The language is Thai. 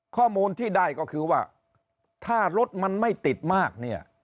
ข้อมูลที่ได้ก็คือว่าถ้ารถมันไม่ติดมากเนี่ย